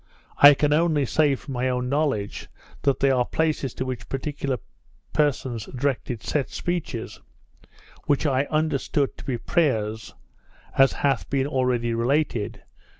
I can only say, from my own knowledge, that they are places to which particular persons directed set speeches, which I understood to be prayers, as hath been already related.